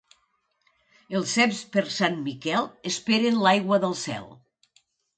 Els ceps, per Sant Miquel, esperen l'aigua del cel.